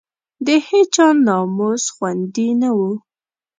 د هېچا ناموس خوندي نه وو.